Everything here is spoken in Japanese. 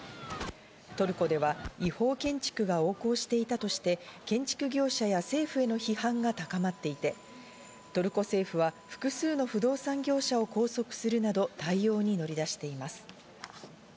トルコでは違法建築が横行していたとして、建築業者や政府への批判が高まっていて、トルコ政府は複数の不動産業者を拘束するなど対応に乗り出しています。